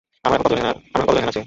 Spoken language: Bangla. আমরা এখন কতজন এখানে আছি?